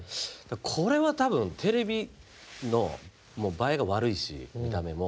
これは多分テレビの映えが悪いし見た目も。